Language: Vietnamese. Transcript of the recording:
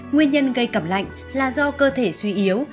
nguyên nhân gây cẩm lạnh là do cơ thể suy yếu